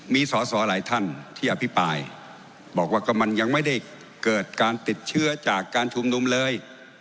มีสอสอหลายท่านที่อภิปรายบอกว่าก็มันยังไม่ได้เกิดการติดเชื้อจากการชุมนุมเลย